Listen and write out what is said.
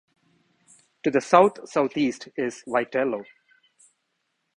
To the south-southeast is Vitello.